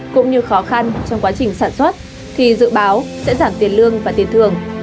cũng như khó khăn trong quá trình sản xuất thì dự báo sẽ giảm tiền lương và tiền thường